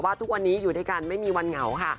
ทุกวันนี้อยู่ด้วยกันไม่มีวันเหงาค่ะ